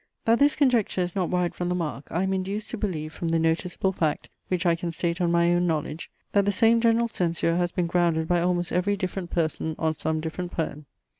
That this conjecture is not wide from the mark, I am induced to believe from the noticeable fact, which I can state on my own knowledge, that the same general censure has been grounded by almost every different person on some different poem.